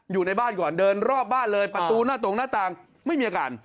อยู่ในบ้านก่อนเดินรอบบ้านเลยประตูหน้าตรงหน้าต่างไม่มีอาการ